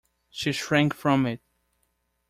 She shrank from it.